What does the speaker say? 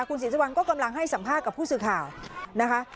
คุณศรีสุวรรณก็กำลังให้สัมภาษณ์กับผู้สื่อข่าวนะคะ